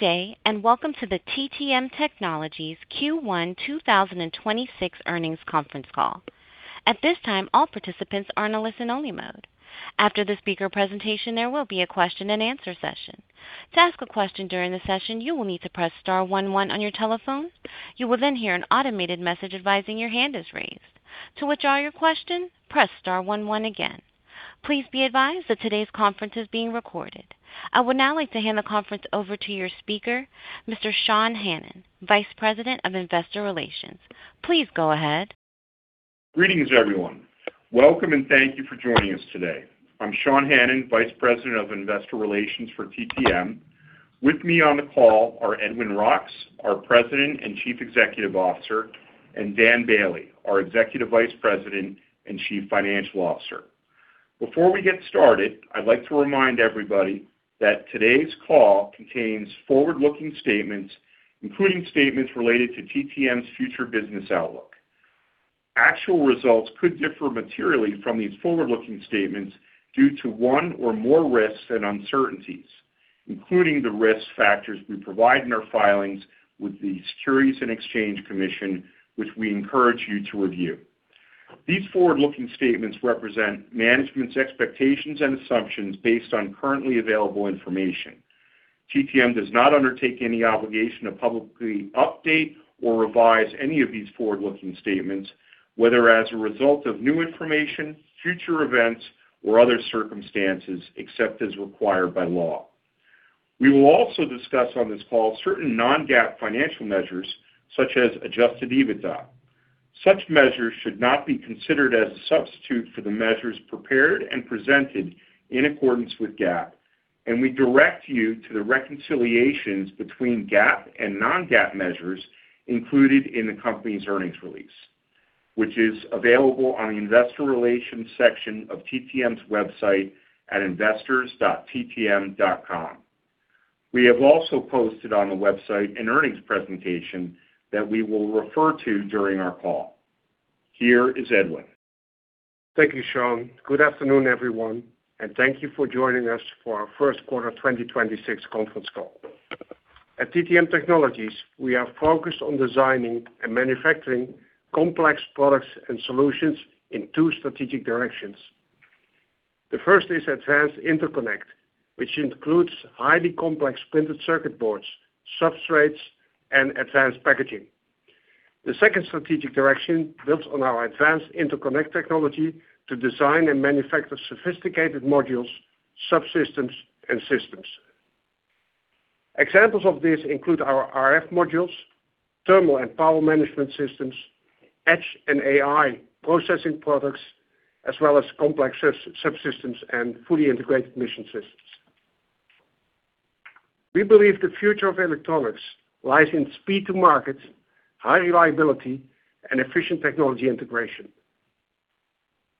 Good day, welcome to the TTM Technologies Q1 2026 earnings conference call. At this time, all participants are in a listen-only mode. After the speaker presentation, there will be a question-and-answer session. To ask a question during the session, you will need to press star one one on your telephone. You will hear an automated message advising your hand is raised. To withdraw your question, press star one one again. Please be advised that today's conference is being recorded. I would now like to hand the conference over to your speaker, Mr. Sean Hannan, Vice President of Investor Relations. Please go ahead. Greetings, everyone. Welcome and thank you for joining us today. I'm Sean Hannan, Vice President of Investor Relations for TTM. With me on the call are Edwin Roks, our President and Chief Executive Officer, and Daniel Boehle, our Executive Vice President and Chief Financial Officer. Before we get started, I'd like to remind everybody that today's call contains forward-looking statements, including statements related to TTM's future business outlook. Actual results could differ materially from these forward-looking statements due to one or more risks and uncertainties, including the risk factors we provide in our filings with the Securities and Exchange Commission, which we encourage you to review. These forward-looking statements represent management's expectations and assumptions based on currently available information. TTM does not undertake any obligation to publicly update or revise any of these forward-looking statements, whether as a result of new information, future events, or other circumstances except as required by law. We will also discuss on this call certain non-GAAP financial measures such as adjusted EBITDA. Such measures should not be considered as a substitute for the measures prepared and presented in accordance with GAAP, and we direct you to the reconciliations between GAAP and non-GAAP measures included in the company's earnings release, which is available on the investor relations section of TTM's website at investors.ttm.com. We have also posted on the website an earnings presentation that we will refer to during our call. Here is Edwin. Thank you, Sean. Good afternoon, everyone, and thank you for joining us for our first quarter 2026 conference call. At TTM Technologies, we are focused on designing and manufacturing complex products and solutions in two strategic directions. The first is advanced interconnect, which includes highly complex printed circuit boards, substrates, and advanced packaging. The second strategic direction builds on our advanced interconnect technology to design and manufacture sophisticated modules, subsystems, and systems. Examples of this include our RF modules, thermal and power management systems, edge and AI processing products, as well as complex subsystems and fully integrated mission systems. We believe the future of electronics lies in speed to market, high reliability, and efficient technology integration.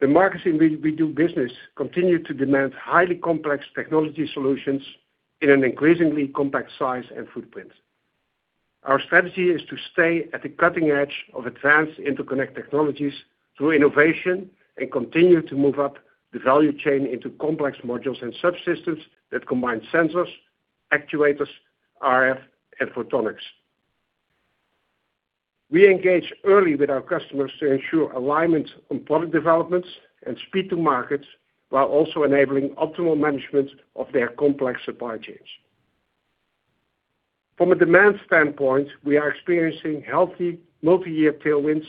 The markets in which we do business continue to demand highly complex technology solutions in an increasingly compact size and footprint. Our strategy is to stay at the cutting edge of advanced interconnect technologies through innovation and continue to move up the value chain into complex modules and subsystems that combine sensors, actuators, RF, and photonics. We engage early with our customers to ensure alignment on product developments and speed to markets while also enabling optimal management of their complex supply chains. From a demand standpoint, we are experiencing healthy multi-year tailwinds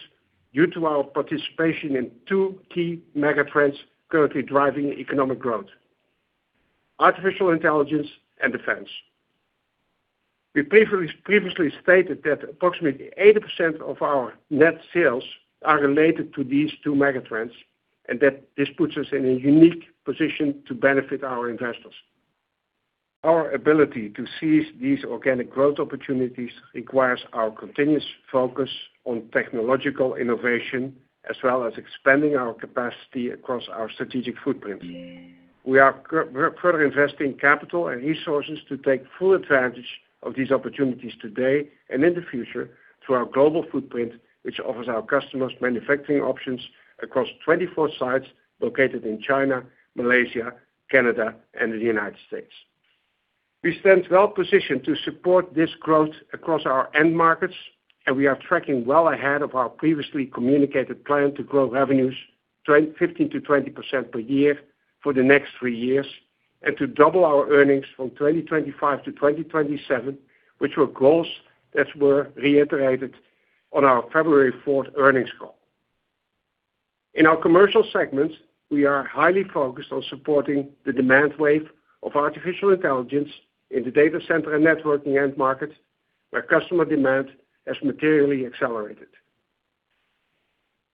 due to our participation in two key megatrends currently driving economic growth, artificial intelligence and defense. We previously stated that approximately 80% of our net sales are related to these two megatrends, and that this puts us in a unique position to benefit our investors. Our ability to seize these organic growth opportunities requires our continuous focus on technological innovation, as well as expanding our capacity across our strategic footprint. We're further investing capital and resources to take full advantage of these opportunities today and in the future through our global footprint, which offers our customers manufacturing options across 24 sites located in China, Malaysia, Canada, and the United States. We stand well positioned to support this growth across our end markets. We are tracking well ahead of our previously communicated plan to grow revenues 15% to 20% per year for the next three years and to double our earnings from 2025 to 2027, which were goals that were reiterated on our February fourth earnings call. In our commercial segments, we are highly focused on supporting the demand wave of artificial intelligence in the data center and networking end market, where customer demand has materially accelerated.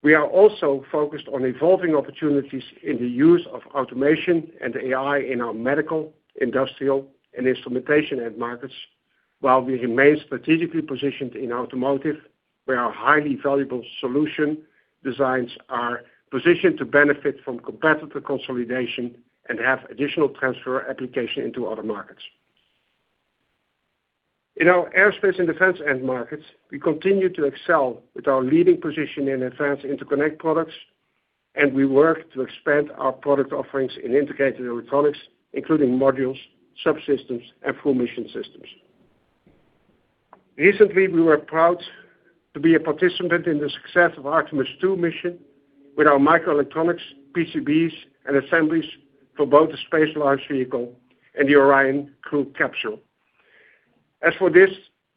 We are also focused on evolving opportunities in the use of automation and AI in our medical, industrial, and instrumentation end markets, while we remain strategically positioned in automotive, where our highly valuable solution designs are positioned to benefit from competitor consolidation and have additional transfer application into other markets. In our Aerospace and Defense end markets, we continue to excel with our leading position in advanced interconnect products. We work to expand our product offerings in integrated electronics, including modules, subsystems, and full mission systems. Recently, we were proud to be a participant in the success of Artemis II mission with our microelectronics, PCBs, and assemblies for both the space launch vehicle and the Orion crew capsule. As for this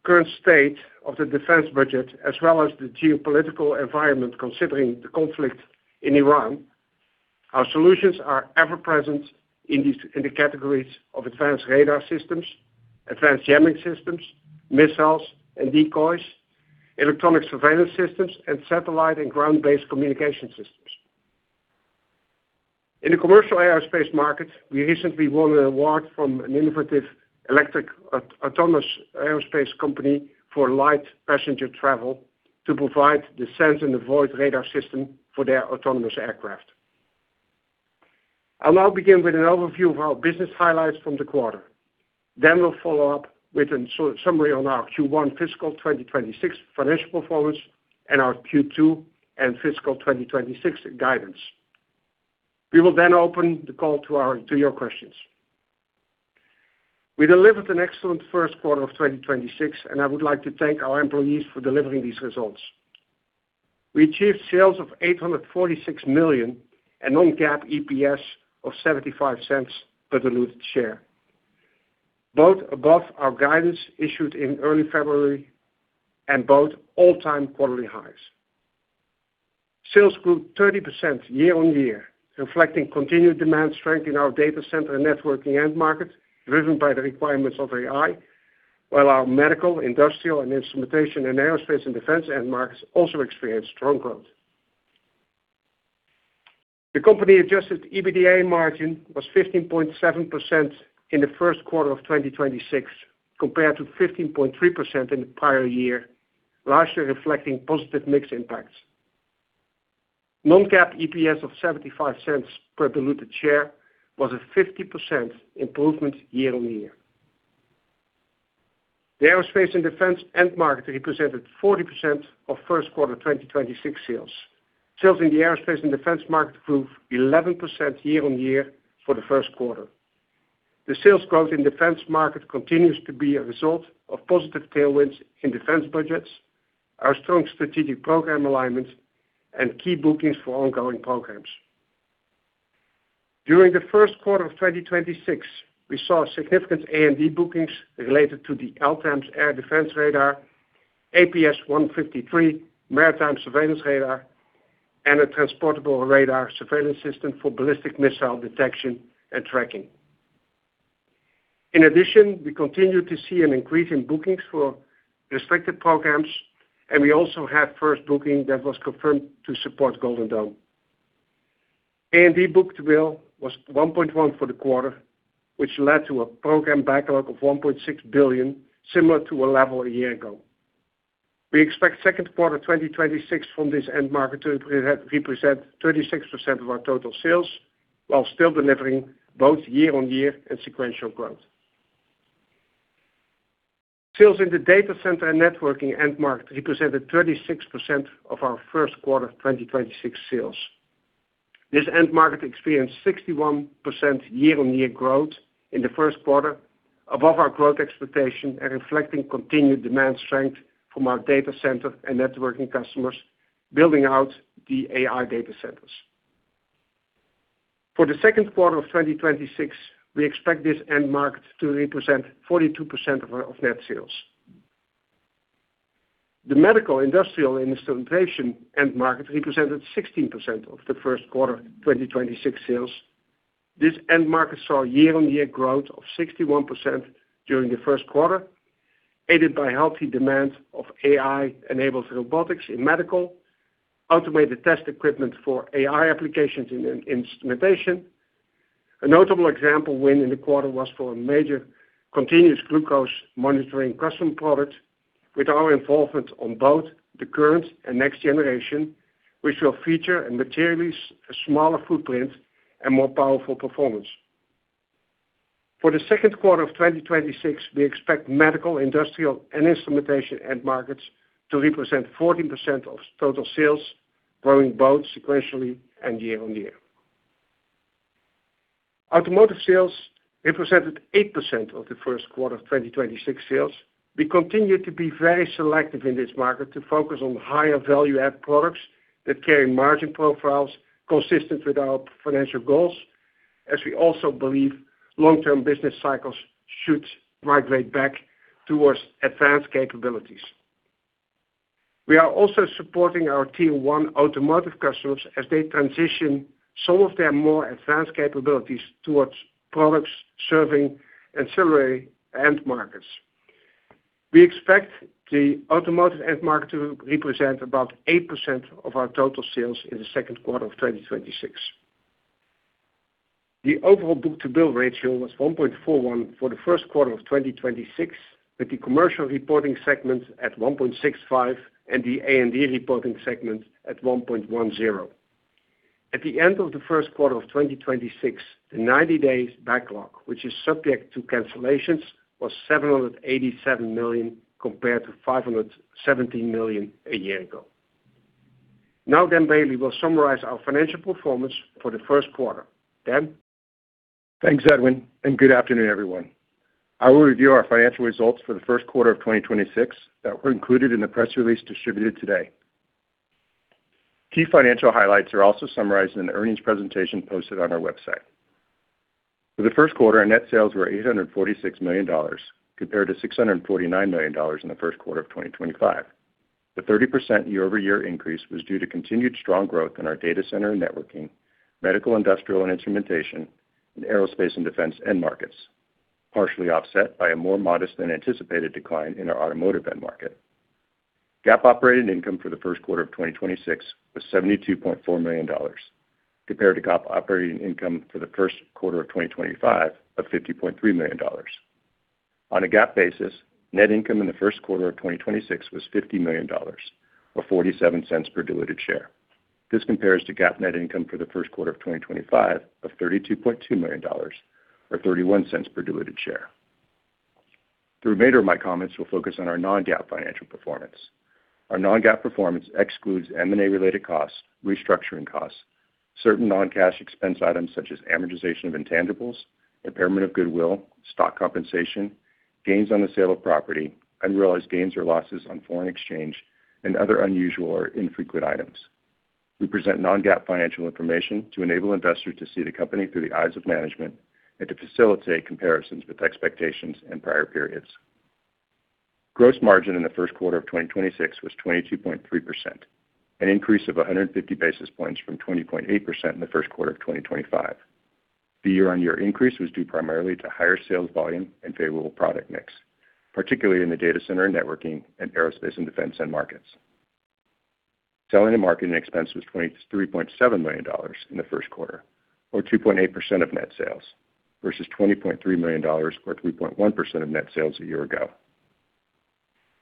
current state of the defense budget, as well as the geopolitical environment, considering the conflict in Iran, our solutions are ever present in the categories of advanced radar systems, advanced jamming systems, missiles and decoys, electronic surveillance systems, and satellite and ground-based communication systems. In the commercial aerospace market, we recently won an award from an innovative electric autonomous aerospace company for light passenger travel to provide the sense and avoid radar system for their autonomous aircraft. I'll now begin with an overview of our business highlights from the quarter. We'll follow up with a summary on our Q1 fiscal 2026 financial performance and our Q2 and fiscal 2026 guidance. We will open the call to your questions. We delivered an excellent first quarter of 2026, and I would like to thank our employees for delivering these results. We achieved sales of $846 million and Non-GAAP EPS of $0.75 per diluted share. Both above our guidance issued in early February and both all-time quarterly highs. Sales grew 30% year-on-year, reflecting continued demand strength in our data center and networking end market, driven by the requirements of AI, while our medical, industrial, and instrumentation and Aerospace and Defense end markets also experienced strong growth. The company-Adjusted EBITDA margin was 15.7% in the first quarter 2026, compared to 15.3% in the prior year, largely reflecting positive mix impacts. Non-GAAP EPS of $0.75 per diluted share was a 50% improvement year-on-year. The Aerospace and Defense end market represented 40% of first quarter 2026 sales. Sales in the Aerospace and Defense market grew 11% year-on-year for the first quarter. The sales growth in Defense market continues to be a result of positive tailwinds in Defense budgets, our strong strategic program alignment, and key bookings for ongoing programs. During the first quarter of 2026, we saw significant A&D bookings related to the LTAMDS air defense radar, AN/APS-153 maritime surveillance radar, and a transportable radar surveillance system for ballistic missile detection and tracking. We continue to see an increase in bookings for restricted programs, and we also have first booking that was confirmed to support Iron Dome. A&D book-to-bill was 1.1 for the quarter, which led to a program backlog of $1.6 billion, similar to a level a year ago. We expect second quarter 2026 from this end market to represent 36% of our total sales, while still delivering both year-on-year and sequential growth. Sales in the data center and networking end market represented 36% of our first quarter 2026 sales. This end market experienced 61% year-on-year growth in the first quarter, above our growth expectation and reflecting continued demand strength from our data center and networking customers building out the AI data centers. For the second quarter of 2026, we expect this end market to represent 42% of net sales. The medical, industrial, and instrumentation end market represented 16% of the first quarter 2026 sales. This end market saw year-on-year growth of 61% during the first quarter, aided by healthy demand of AI-enabled robotics in medical, automated test equipment for AI applications in instrumentation. A notable example win in the quarter was for a major continuous glucose monitoring custom product with our involvement on both the current and next generation, which will feature a materially smaller footprint and more powerful performance. For the second quarter of 2026, we expect medical, industrial, and instrumentation end markets to represent 14% of total sales, growing both sequentially and year-on-year. Automotive sales represented 8% of the first quarter 2026 sales. We continue to be very selective in this market to focus on higher value-add products that carry margin profiles consistent with our financial goals, as we also believe long-term business cycles should migrate back towards advanced capabilities. We are also supporting our Tier one automotive customers as they transition some of their more advanced capabilities towards products serving ancillary end markets. We expect the automotive end market to represent about 8% of our total sales in the second quarter of 2026. The overall book-to-bill ratio was 1.41 for the first quarter of 2026, with the commercial reporting segment at 1.65 and the A&D reporting segment at 1.10. At the end of the first quarter of 2026, the 90-day backlog, which is subject to cancellations, was $787 million compared to $570 million a year ago. Daniel Boehle will summarize our financial performance for the first quarter. Dan? Thanks, Edwin, and good afternoon, everyone. I will review our financial results for the first quarter of 2026 that were included in the press release distributed today. Key financial highlights are also summarized in the earnings presentation posted on our website. For the first quarter, our net sales were $846 million compared to $649 million in the first quarter of 2025. The 30% year-over-year increase was due to continued strong growth in our data center and networking, medical, industrial, and instrumentation, and aerospace and defense end markets, partially offset by a more modest than anticipated decline in our automotive end market. GAAP operating income for the first quarter of 2026 was $72.4 million compared to GAAP operating income for the first quarter of 2025 of $50.3 million. On a GAAP basis, net income in the first quarter of 2026 was $50 million, or $0.47 per diluted share. This compares to GAAP net income for the first quarter of 2025 of $32.2 million, or $0.31 per diluted share. The remainder of my comments will focus on our non-GAAP financial performance. Our non-GAAP performance excludes M&A-related costs, restructuring costs, certain non-cash expense items such as amortization of intangibles, impairment of goodwill, stock compensation, gains on the sale of property, unrealized gains or losses on foreign exchange, and other unusual or infrequent items. We present non-GAAP financial information to enable investors to see the company through the eyes of management and to facilitate comparisons with expectations in prior periods. Gross margin in the first quarter of 2026 was 22.3%, an increase of 150 basis points from 20.8% in the first quarter of 2025. The year-on-year increase was due primarily to higher sales volume and favorable product mix, particularly in the data center, networking, and Aerospace and Defense end markets. Selling and marketing expense was $23.7 million in the first quarter, or 2.8% of net sales versus $20.3 million or 2.1% of net sales a year ago.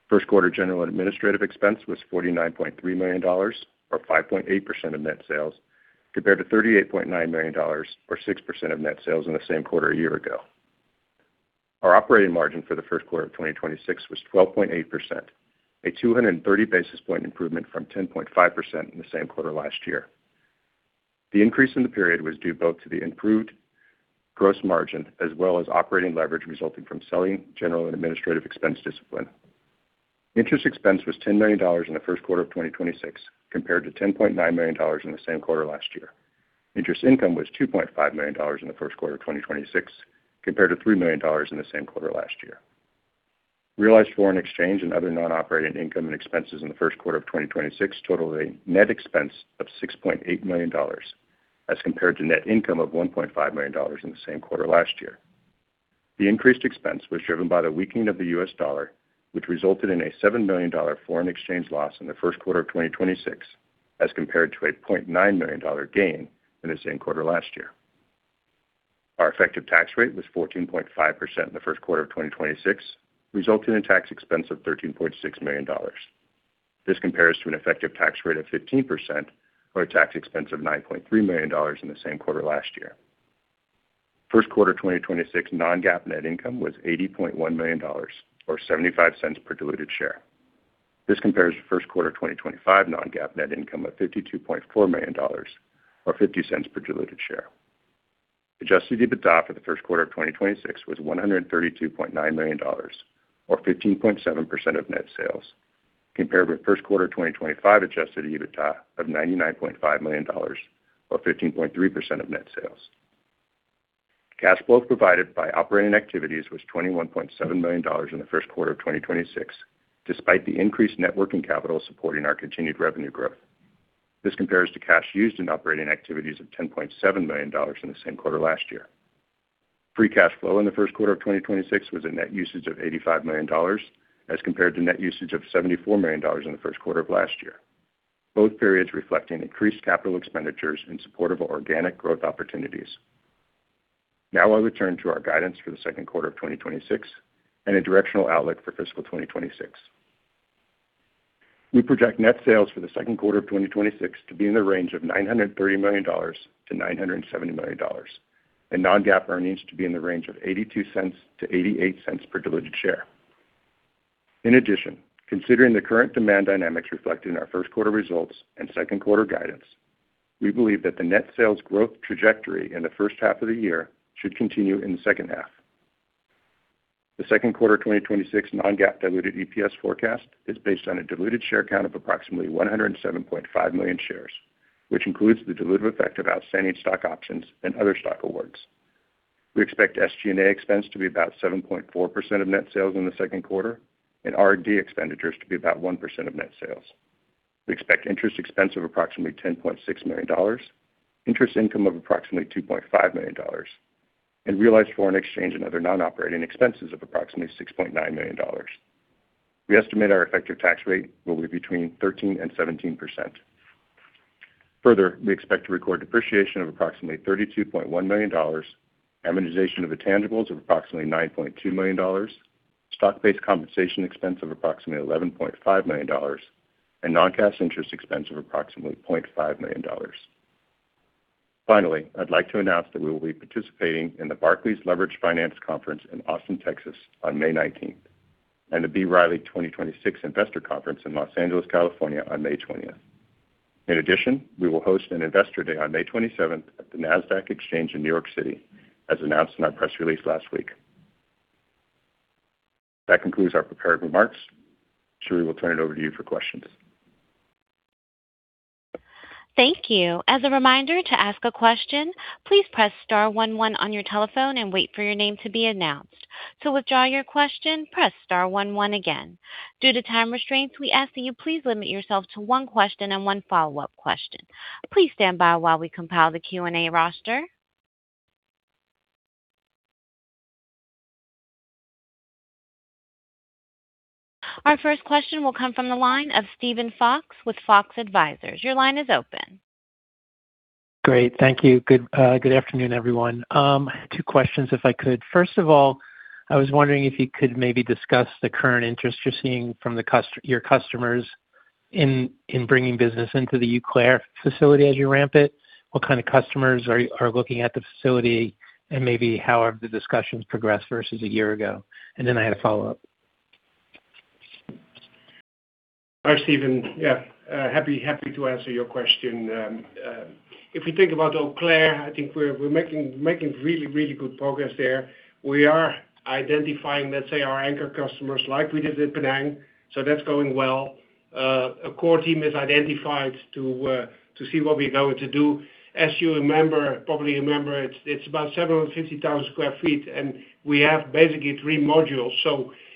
First quarter general and administrative expense was $49.3 million or 5.8% of net sales, compared to $38.9 million or 6% of net sales in the same quarter a year ago. Our operating margin for the first quarter of 2026 was 12.8%, a 230 basis point improvement from 10.5% in the same quarter last year. The increase in the period was due both to the improved gross margin as well as operating leverage resulting from selling, general, and administrative expense discipline. Interest expense was $10 million in the first quarter of 2026 compared to $10.9 million in the same quarter last year. Interest income was $2.5 million in the first quarter of 2026 compared to $3 million in the same quarter last year. Realized foreign exchange and other non-operating income and expenses in the first quarter of 2026 totaled a net expense of $6.8 million as compared to net income of $1.5 million in the same quarter last year. The increased expense was driven by the weakening of the U.S. dollar, which resulted in a $7 million foreign exchange loss in the first quarter of 2026 as compared to a $0.9 million gain in the same quarter last year. Our effective tax rate was 14.5% in the first quarter of 2026, resulting in tax expense of $13.6 million. This compares to an effective tax rate of 15% or a tax expense of $9.3 million in the same quarter last year. First quarter 2026 non-GAAP net income was $80.1 million or $0.75 per diluted share. This compares to first quarter 2025 non-GAAP net income of $52.4 million or $0.50 per diluted share. Adjusted EBITDA for the first quarter of 2026 was $132.9 million or 15.7% of net sales, compared with first quarter 2025 Adjusted EBITDA of $99.5 million or 15.3% of net sales. Cash flow provided by operating activities was $21.7 million in the first quarter of 2026, despite the increased net working capital supporting our continued revenue growth. This compares to cash used in operating activities of $10.7 million in the same quarter last year. Free cash flow in the first quarter of 2026 was a net usage of $85 million as compared to net usage of $74 million in the first quarter of last year, both periods reflecting increased capital expenditures in support of organic growth opportunities. I'll return to our guidance for the second quarter of 2026 and a directional outlook for fiscal 2026. We project net sales for the second quarter of 2026 to be in the range of $930 million-$970 million, and Non-GAAP earnings to be in the range of $0.82-$0.88 per diluted share. Considering the current demand dynamics reflected in our first quarter results and second quarter guidance, we believe that the net sales growth trajectory in the first half of the year should continue in the second half. The second quarter 2026 Non-GAAP diluted EPS forecast is based on a diluted share count of approximately 107.5 million shares, which includes the dilutive effect of outstanding stock options and other stock awards. We expect SG&A expense to be about 7.4% of net sales in the second quarter and R&D expenditures to be about 1% of net sales. We expect interest expense of approximately $10.6 million, interest income of approximately $2.5 million, and realized foreign exchange and other non-operating expenses of approximately $6.9 million. We estimate our effective tax rate will be between 13% and 17%. We expect to record depreciation of approximately $32.1 million, amortization of intangibles of approximately $9.2 million, stock-based compensation expense of approximately $11.5 million, and non-cash interest expense of approximately $0.5 million. Finally, I'd like to announce that we will be participating in the Barclays Leveraged Finance Conference in Austin, Texas, on May 19th, and the B. Riley 2026 Investor Conference in Los Angeles, California, on May 20th. In addition, we will host an Investor Day on May 27th at the Nasdaq Exchange in New York City, as announced in our press release last week. That concludes our prepared remarks. Sheree, we'll turn it over to you for questions. Thank you. As a reminder, to ask a question, please press star one one on your telephone and wait for your name to be announced. To withdraw your question, press star one one again. Due to time constraints, we ask that you please limit yourself to one question and one follow-up question. Please stand by while we compile the Q&A roster. Our first question will come from the line of Steven Fox with Fox Advisors. Your line is open. Great. Thank you. Good, good afternoon, everyone. Two questions, if I could. First of all, I was wondering if you could maybe discuss the current interest you're seeing from your customers in bringing business into the Eau Claire facility as you ramp it. What kind of customers are looking at the facility, and maybe how have the discussions progressed versus a year ago? I had a follow-up. Hi, Steven. Yeah, happy to answer your question. If we think about Eau Claire, I think we're making really good progress there. We are identifying, let's say, our anchor customers like we did in Penang. That's going well. A core team is identified to see what we're going to do. As you probably remember, it's about 750,000 sq ft, and we have basically three modules.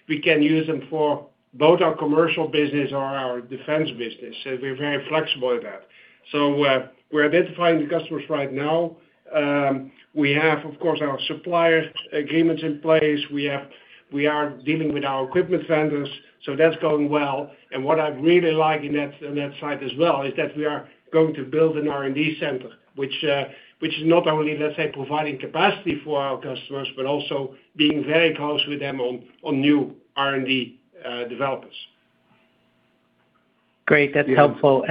We can use them for both our commercial business or our defense business. We're very flexible at that. We're identifying the customers right now. We have, of course, our supplier agreements in place. We are dealing with our equipment vendors. That's going well. What I really like in that site as well is that we are going to build an R&D center, which is not only, let's say, providing capacity for our customers, but also being very close with them on new R&D developers. Great. That's helpful.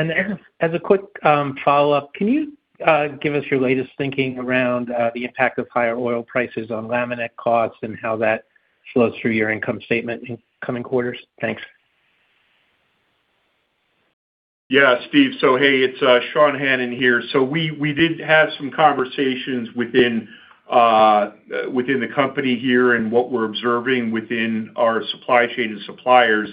As a quick follow-up, can you give us your latest thinking around the impact of higher oil prices on laminate costs and how that flows through your income statement in coming quarters? Thanks. Yeah, Steve. Hey, it's Sean Hannan here. We did have some conversations within the company here and what we're observing within our supply chain and suppliers.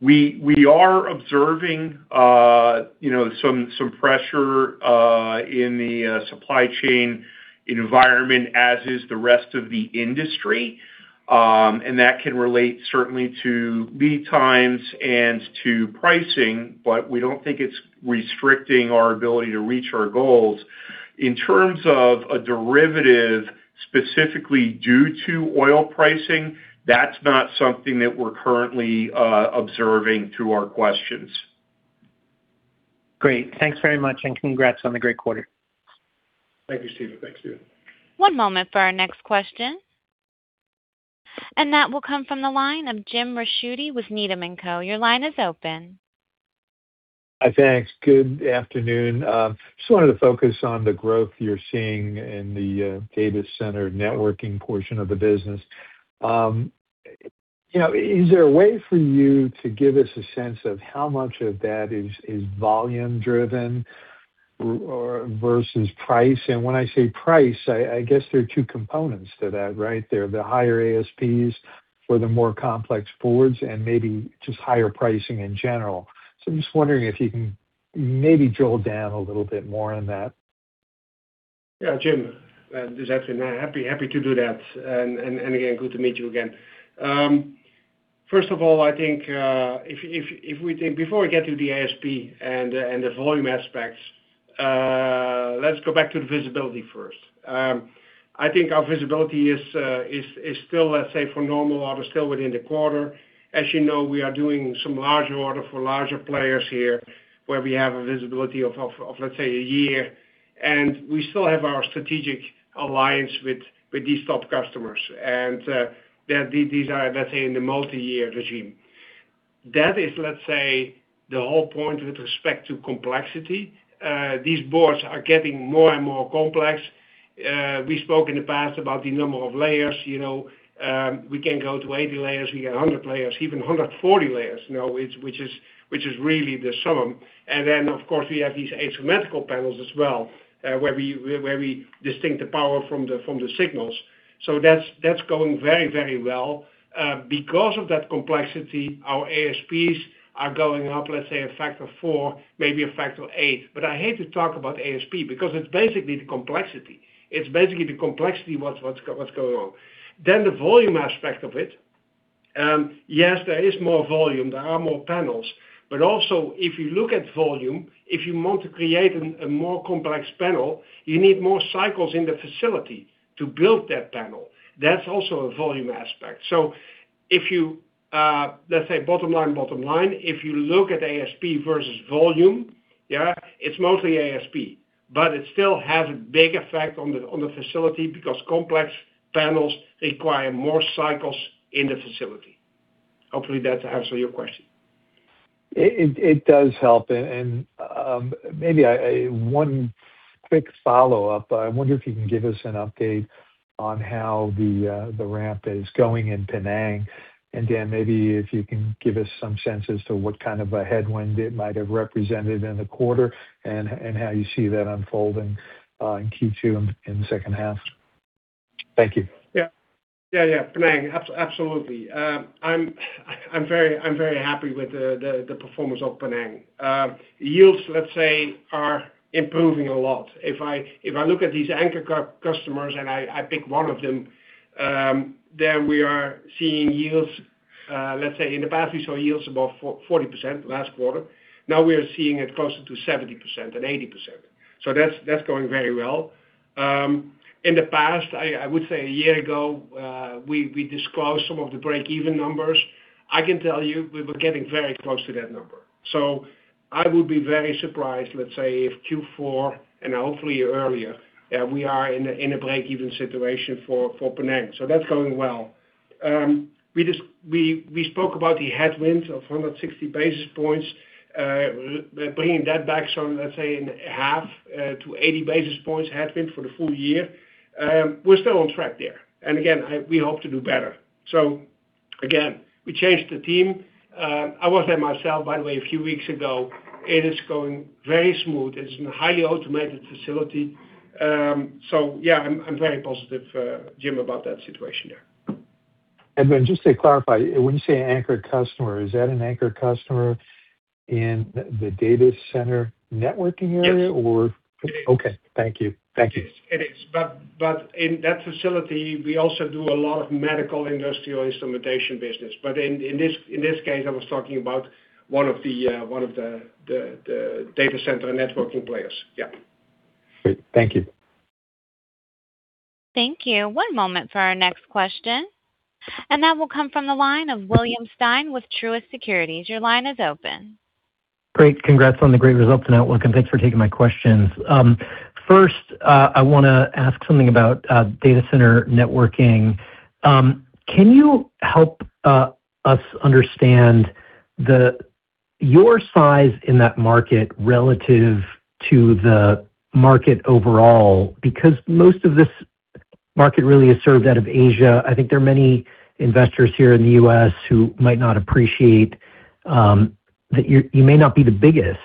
We are observing, you know, some pressure in the supply chain environment, as is the rest of the industry. That can relate certainly to lead times and to pricing, but we don't think it's restricting our ability to reach our goals. In terms of a derivative specifically due to oil pricing, that's not something that we're currently observing through our questions. Great. Thanks very much, and congrats on the great quarter. Thank you, Steven. Thanks, Steven. One moment for our next question. That will come from the line of Jim Ricchiuti with Needham & Co. Your line is open. Hi. Thanks. Good afternoon. Just wanted to focus on the growth you're seeing in the data center networking portion of the business. You know, is there a way for you to give us a sense of how much of that is volume driven versus price? When I say price, I guess there are two components to that, right? They're the higher ASPs for the more complex boards and maybe just higher pricing in general. I'm just wondering if you can maybe drill down a little bit more on that. Yeah, Jim. This is Edwin. Happy to do that. Again, good to meet you again. First of all, I think, if we think. Before we get to the ASP and the volume aspects, let's go back to the visibility first. I think our visibility is still, let's say, for normal order still within the quarter. As you know, we are doing some larger order for larger players here, where we have a visibility of, let's say, a year, and we still have our strategic alliance with these top customers. These are, let's say, in the multi-year regime. That is, let's say, the whole point with respect to complexity. These boards are getting more and more complex. We spoke in the past about the number of layers. You know, we can go to 80 layers, we get 100 layers, even 140 layers now, it's which is really the sum. Of course, we have these asymmetrical panels as well, where we distinct the power from the signals. That's going very, very well. Because of that complexity, our ASPs are going up, let's say, a factor of four, maybe a factor of eight. I hate to talk about ASP because it's basically the complexity. It's basically the complexity what's going on. The volume aspect of it. Yes, there is more volume. There are more panels. Also, if you look at volume, if you want to create a more complex panel, you need more cycles in the facility to build that panel. That's also a volume aspect. If you, let's say bottom line, if you look at ASP versus volume, yeah, it's mostly ASP, but it still has a big effect on the facility because complex panels require more cycles in the facility. Hopefully that answers your question. It does help. Maybe one quick follow-up. I wonder if you can give us an update on how the ramp is going in Penang. Dan, maybe if you can give us some sense as to what kind of a headwind it might have represented in the quarter and how you see that unfolding in Q2, in the second half. Thank you. Yeah. Yeah, yeah. Penang. Absolutely. I'm very happy with the performance of Penang. Yields, let's say, are improving a lot. If I look at these anchor customers, and I pick one of them, then we are seeing yields, let's say in the past we saw yields above for 40% last quarter. Now we are seeing it closer to 70% and 80%. That's going very well. In the past, I would say a year ago, we disclosed some of the break-even numbers. I can tell you we were getting very close to that number. I would be very surprised, let's say, if Q4, and hopefully earlier, we are in a break-even situation for Penang. That's going well. We spoke about the headwinds of 160 basis points, bringing that back some, let's say in half, to 80 basis points headwind for the full year. We're still on track there. Again, we hope to do better. Again, we changed the team. I was there myself, by the way, a few weeks ago. It is going very smooth. It's a highly automated facility. Yeah, I'm very positive, Jim, about that situation there. Just to clarify, when you say anchored customer, is that an anchored customer in the data center networking area? Yes or? It is. Okay. Thank you. Thank you. It is. It is. In that facility, we also do a lot of medical industrial instrumentation business. In this case, I was talking about one of the data center networking players. Yeah. Great. Thank you. Thank you. One moment for our next question. That will come from the line of William Stein with Truist Securities. Your line is open. Great. Congrats on the great results and outlook. Thanks for taking my questions. First, I wanna ask something about data center networking. Can you help us understand your size in that market relative to the market overall? Because most of this market really is served out of Asia. I think there are many investors here in the U.S. who might not appreciate that you may not be the biggest.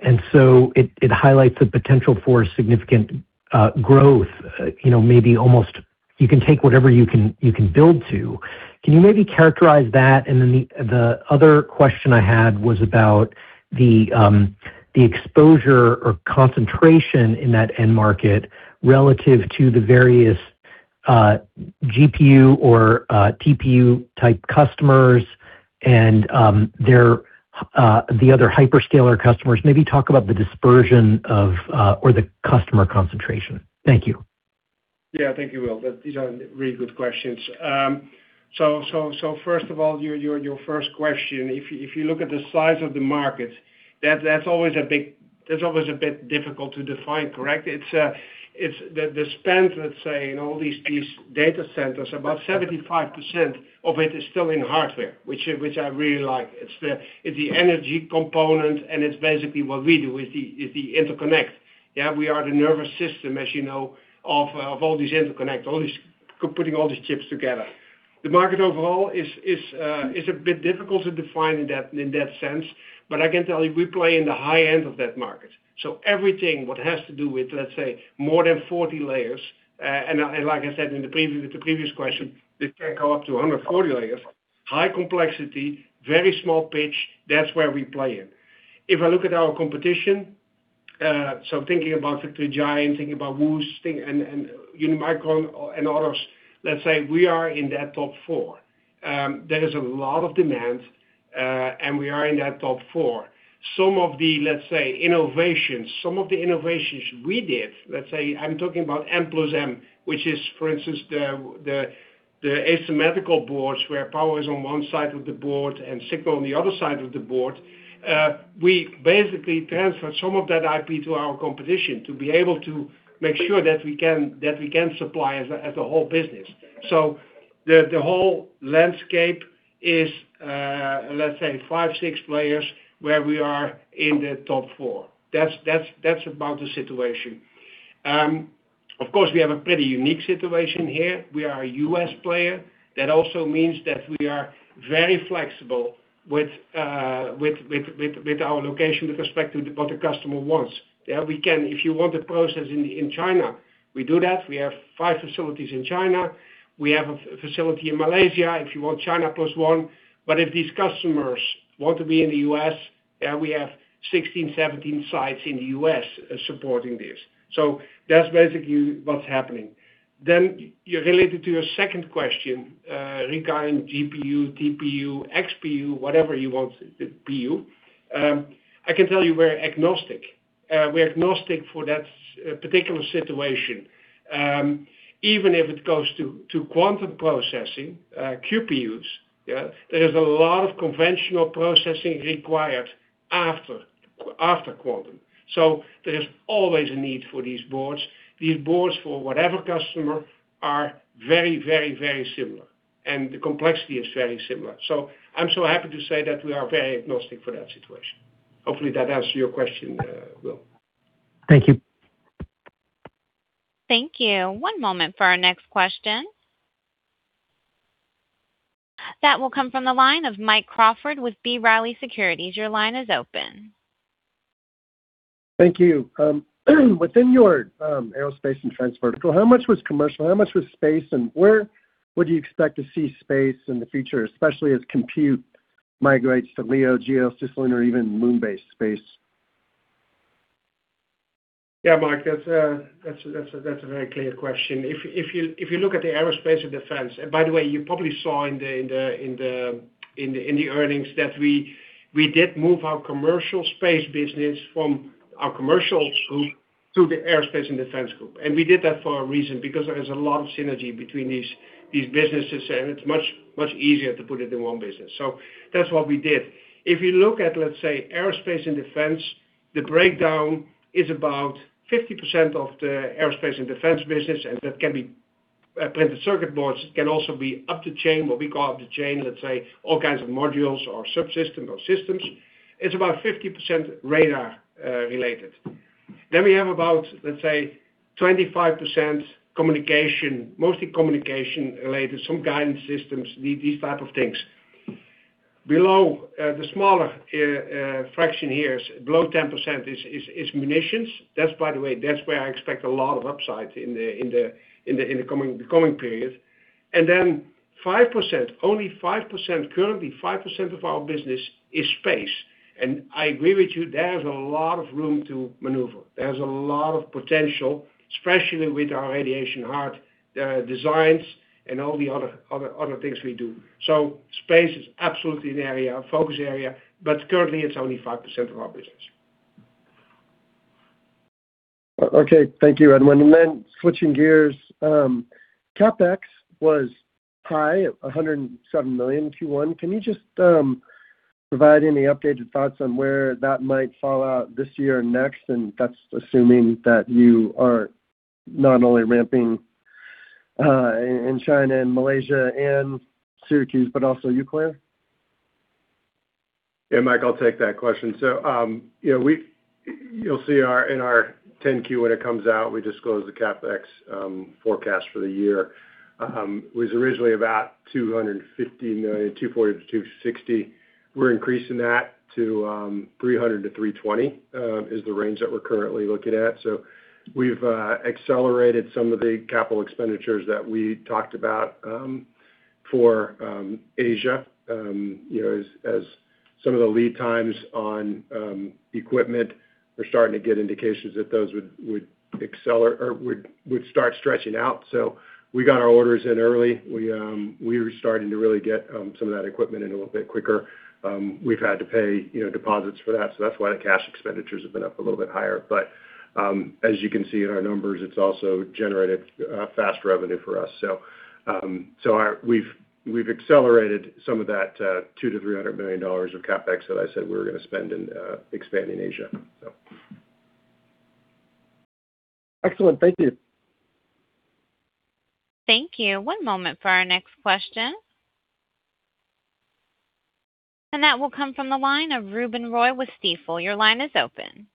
It highlights the potential for significant growth. You know, maybe almost you can take whatever you can, you can build to. Can you maybe characterize that? Then the other question I had was about the exposure or concentration in that end market relative to the various GPU or TPU-type customers and their the other hyperscaler customers. Maybe talk about the dispersion of or the customer concentration. Thank you. Yeah. Thank you, Will. These are really good questions. First of all, your first question. If you look at the size of the market, that's always a bit difficult to define, correct? The spend, let's say, in all these data centers, about 75% of it is still in hardware, which I really like. It's the energy component, and it's basically what we do, is the interconnect. Yeah, we are the nervous system, as you know, of all these interconnect, putting all these chips together. The market overall is a bit difficult to define in that sense, but I can tell you, we play in the high end of that market. Everything what has to do with, let's say, more than 40 layers, and like I said in the previous question, this can go up to 140 layers. High complexity, very small pitch. That's where we play in. If I look at our competition, thinking about Victory Giant, thinking about WUS, Unimicron and others, let's say we are in that top four. There is a lot of demand, and we are in that top four. Some of the innovations we did, let's say I'm talking about M plus M, which is, for instance, the asymmetrical boards, where power is on one side of the board and signal on the other side of the board. We basically transfer some of that IP to our competition to be able to make sure that we can supply as a whole business. The whole landscape is, let's say five, six players where we are in the top four. That's about the situation. Of course, we have a pretty unique situation here. We are a U.S. player. That also means that we are very flexible with our location with respect to what the customer wants. We can. If you want a process in China, we do that. We have five facilities in China. We have a facility in Malaysia, if you want China plus one. If these customers want to be in the U.S., we have 16, 17 sites in the U.S. supporting this. That's basically what's happening. Related to your second question, regarding GPU, TPU, XPU, whatever you want it to PU, I can tell you we're agnostic. We're agnostic for that particular situation. Even if it goes to quantum processing, QPUs, yeah, there is a lot of conventional processing required after After Quantum. There is always a need for these boards. These boards, for whatever customer, are very similar, and the complexity is very similar. I'm so happy to say that we are very agnostic for that situation. Hopefully that answers your question, Will. Thank you. Thank you. One moment for our next question. That will come from the line of Mike Crawford with B. Riley Securities. Thank you. Within your aerospace and transvertical, how much was commercial? How much was space? Where would you expect to see space in the future, especially as compute migrates to LEO, GEO, cislunar, or even moon-based space? Yeah, Mike, that's a very clear question. If you look at the Aerospace and Defense... By the way, you probably saw in the earnings that we did move our commercial space business from our commercial group to the Aerospace and Defense group. We did that for a reason, because there is a lot of synergy between these businesses, and it's much easier to put it in one business. That's what we did. If you look at, let's say, Aerospace and Defense, the breakdown is about 50% of the Aerospace and Defense business, and that can be printed circuit boards. It can also be up the chain, what we call up the chain, let's say all kinds of modules or subsystems or systems. It's about 50% radar related. We have about, let's say, 25% communication, mostly communication related, some guidance systems, these type of things. Below, the smaller fraction here is below 10% is munitions. That's, by the way, that's where I expect a lot of upside in the coming period. 5%, only 5% currently, 5% of our business is space. I agree with you, there's a lot of room to maneuver. There's a lot of potential, especially with our radiation hard designs and all the other things we do. Space is absolutely an area, a focus area, but currently it's only 5% of our business. Okay. Thank you, Edwin. Switching gears, CapEx was high at $107 million Q1. Can you just provide any updated thoughts on where that might fall out this year and next? That's assuming that you are not only ramping in China and Malaysia and Syracuse, but also Euclid. Mike, I'll take that question. You know, you'll see our, in our 10-Q when it comes out, we disclose the CapEx forecast for the year. It was originally about $250 million, $240 million-$260 million. We're increasing that to $300 million-$320 million is the range that we're currently looking at. We've accelerated some of the capital expenditures that we talked about for Asia. You know, as some of the lead times on equipment, we're starting to get indications that those would start stretching out. We got our orders in early. We're starting to really get some of that equipment in a little bit quicker. We've had to pay, you know, deposits for that's why the cash expenditures have been up a little bit higher. As you can see in our numbers, it's also generated fast revenue for us. We've accelerated some of that $200 million-$300 million of CapEx that I said we were gonna spend in expanding Asia. Excellent. Thank you. Thank you. One moment for our next question. That will come from the line of Ruben Roy with Stifel. Your line is open.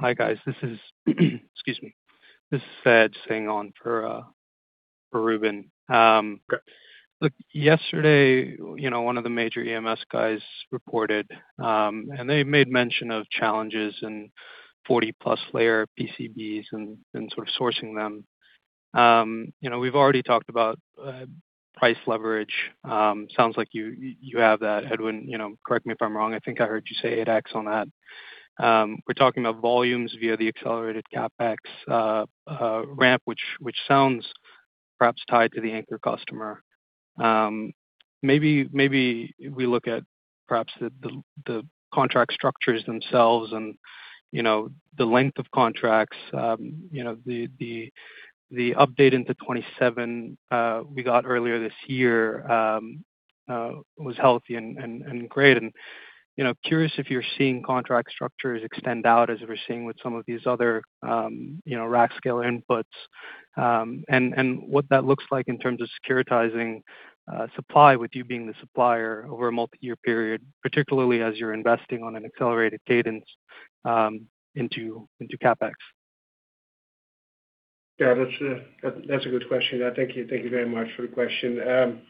Hi, guys. Excuse me. This is Thad staying on for Ruben. Okay. Look, yesterday, you know, one of the major EMS guys reported, and they made mention of challenges in 40-plus layer PCBs and sort of sourcing them. You know, we've already talked about price leverage. Sounds like you have that, Edwin. You know, correct me if I'm wrong, I think I heard you say 8x on that. We're talking about volumes via the accelerated CapEx ramp, which sounds perhaps tied to the anchor customer. Maybe we look at perhaps the contract structures themselves and, you know, the length of contracts. You know, the update into 2027 we got earlier this year was healthy and great. You know, curious if you're seeing contract structures extend out as we're seeing with some of these other, you know, rack scale inputs. And what that looks like in terms of securitizing supply with you being the supplier over a multi-year period, particularly as you're investing on an accelerated cadence, into CapEx. That's a good question. Thank you. Thank you very much for the question.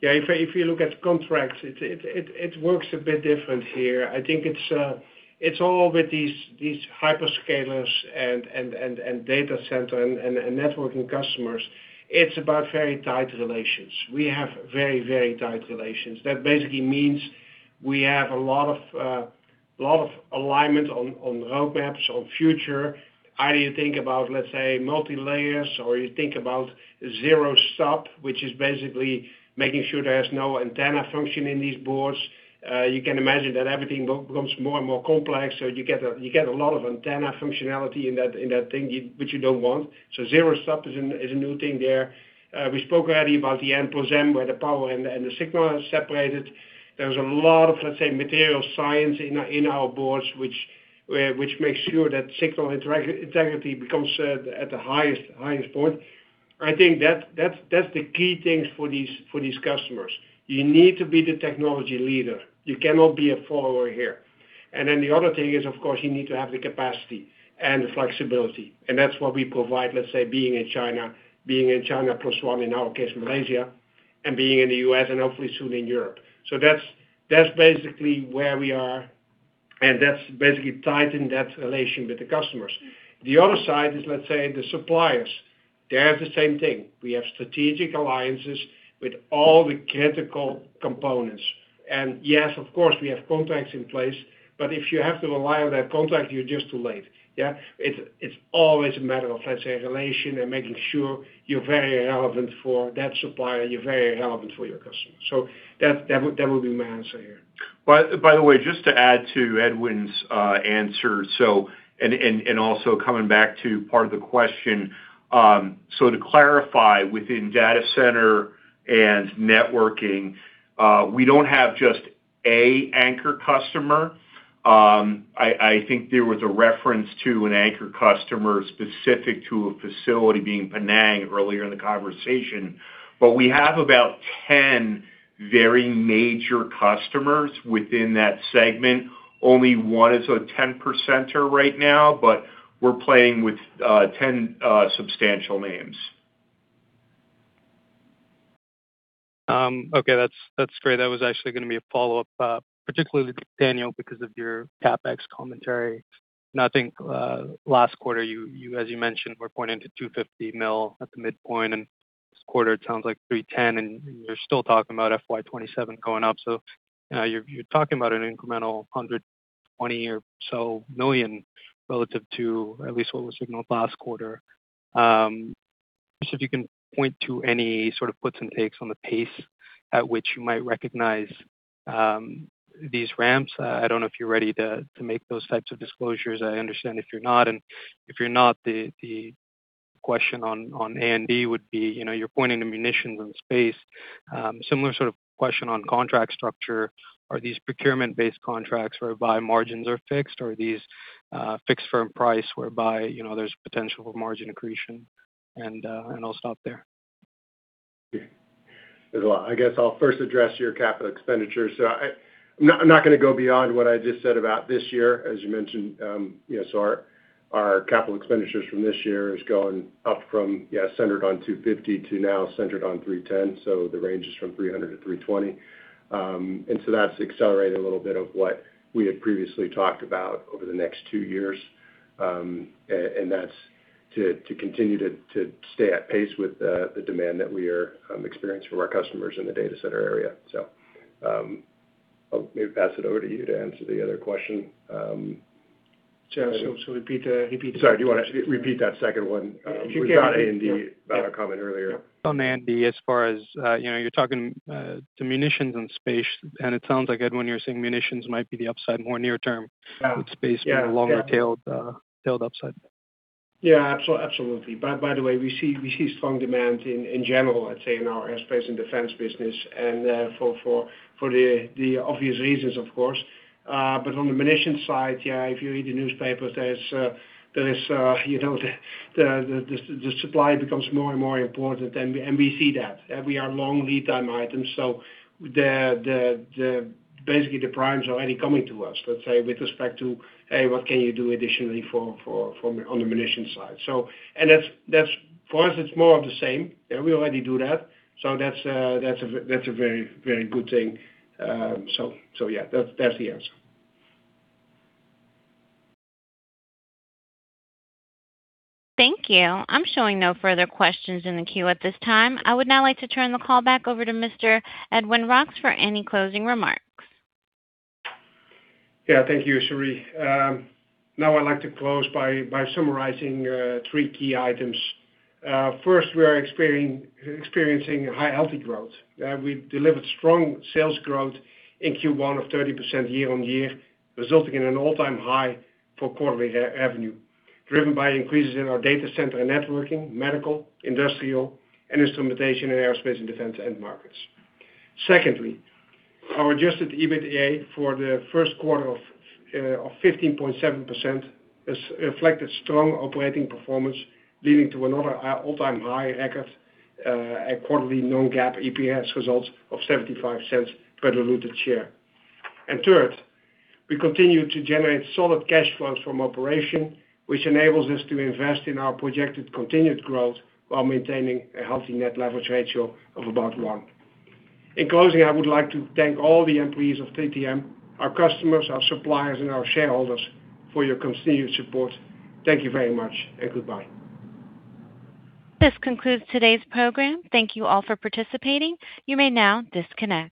If you look at contracts, it works a bit different here. I think it's all with these hyperscalers and data center and networking customers. It's about very tight relations. We have very tight relations. That basically means we have a lot of alignment on roadmaps, on future. How do you think about, let's say, multi-layers, or you think about zero stub, which is basically making sure there's no antenna function in these boards. You can imagine that everything becomes more and more complex, so you get a lot of antenna functionality in that thing which you don't want. Zero stub is a new thing there. We spoke already about the N plus M, where the power and the signal are separated. There's a lot of material science in our boards, which makes sure that signal integrity becomes at the highest point. I think that's the key things for these customers. You need to be the technology leader. You cannot be a follower here. The other thing is, you need to have the capacity and the flexibility, and that's what we provide, being in China, being in China plus one, in our case, Malaysia, and being in the U.S., and hopefully soon in Europe. That's basically where we are, and that's basically tied in that relation with the customers. The other side is the suppliers. They have the same thing. We have strategic alliances with all the critical components. Yes, of course, we have contracts in place, but if you have to rely on that contract, you're just too late. Yeah. It's always a matter of, let's say, relation and making sure you're very relevant for that supplier, you're very relevant for your customer. That would be my answer here. By the way, just to add to Edwin's answer, also coming back to part of the question. To clarify, within data center and networking, we don't have just an anchor customer. I think there was a reference to an anchor customer specific to a facility being Penang earlier in the conversation. We have about 10 very major customers within that segment. Only one is a 10 percenter right now, but we're playing with 10 substantial names. Okay, that's great. That was actually going to be a follow-up, particularly to Daniel because of your CapEx commentary. I think last quarter, you as you mentioned, were pointing to $250 million at the midpoint, and this quarter it sounds like $310, and you're still talking about FY 2027 going up. You're talking about an incremental $120 million or so relative to at least what was signaled last quarter. If you can point to any sort of puts and takes on the pace at which you might recognize these ramps? I don't know if you're ready to make those types of disclosures. I understand if you're not. If you're not, the question on A&D would be, you know, you're pointing to munitions in space. Similar sort of question on contract structure. Are these procurement-based contracts whereby margins are fixed, or are these fixed firm price whereby, you know, there's potential for margin accretion? I'll stop there. There's a lot. I guess I'll first address your capital expenditures. I'm not gonna go beyond what I just said about this year, as you mentioned. You know, our capital expenditures from this year is going up from centered on $250 to now centered on $310, so the range is from $300 to $320. That's accelerated a little bit of what we had previously talked about over the next two years. And that's to continue to stay at pace with the demand that we are experience from our customers in the data center area. I'll maybe pass it over to you to answer the other question. Repeat. Sorry, do you wanna repeat that second one? We've got A&D about a comment earlier. On A&D, as far as, you know, you're talking, to munitions and space, and it sounds like, Edwin, you're saying munitions might be the upside more near term. Yeah. With space being the longer-tailed, tailed upside. Absolutely. By the way, we see strong demand in general, I'd say, in our aerospace and defense business, and for the obvious reasons, of course. On the munitions side, if you read the newspapers, there's, you know, the supply becomes more and more important and we see that. We are long lead time items, the basically the primes already coming to us, let's say, with respect to, A, what can you do additionally for on the munitions side? That's, for us, it's more of the same. We already do that. That's a very good thing. Yeah, that's the answer. Thank you. I'm showing no further questions in the queue at this time. I would now like to turn the call back over to Mr. Edwin Roks for any closing remarks. Yeah. Thank you, Cherie. Now I'd like to close by summarizing three key items. First, we are experiencing high healthy growth. We delivered strong sales growth in Q1 of 30% year-over-year, resulting in an all-time high for quarterly revenue, driven by increases in our data center and networking, medical, industrial, and instrumentation in aerospace and defense end markets. Secondly, our Adjusted EBITDA for the first quarter of 15.7% is reflected strong operating performance, leading to another all-time high record at quarterly Non-GAAP EPS results of $0.75 per diluted share. Third, we continue to generate solid cash flows from operations, which enables us to invest in our projected continued growth while maintaining a healthy net leverage ratio of about 1. In closing, I would like to thank all the employees of TTM, our customers, our suppliers, and our shareholders for your continued support. Thank you very much, and goodbye. This concludes today's program. Thank you all for participating. You may now disconnect.